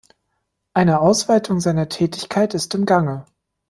Eine Ausweitung seiner Tätigkeit ist im Gange.